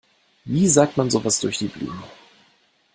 Wie sagt man sowas durch die Blume?